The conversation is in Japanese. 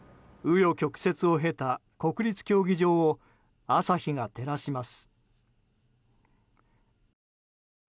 紆余曲折を経た国立競技場を朝日が照らします。